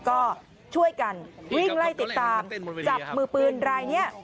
ก็ช่วยกันวิ่งไล่ติดตามจับมือปืนรายนี้